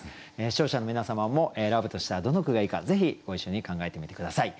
視聴者の皆様も選ぶとしたらどの句がいいかぜひご一緒に考えてみて下さい。